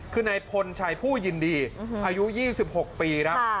คือนายพลชัยผู้ยินดีอายุ๒๖ปีครับ